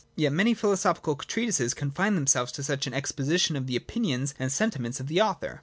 Yet many philosophical treatises confine themselves to such an exposition of the opinions and sentiments of the author.